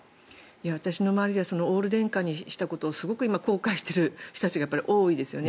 私の周りではオール電化にしたことをすごく今、後悔している人たちが多いですね。